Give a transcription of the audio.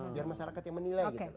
biar masyarakat yang menilai gitu